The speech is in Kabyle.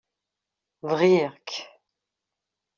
BƔiƔ-k.